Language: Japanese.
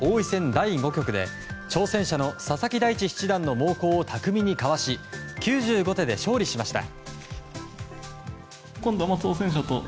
第５局で挑戦者の佐々木大地七段の猛攻を巧みにかわし９５手で勝利しました。